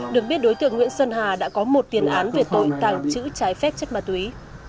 được biết đối tượng nguyễn xuân hà đã có một tiền án về tội tàng trữ trái phép chất ma túy